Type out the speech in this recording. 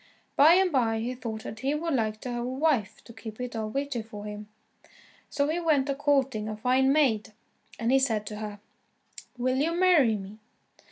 By and by he thought that he would like to have a wife to keep it all vitty for him. So he went a courting a fine maid, and he said to her: "Will you marry me?"